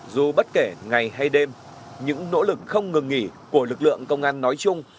dù bất kể ngày hay đêm những nỗ lực không ngừng nghỉ của lực lượng công an nói chung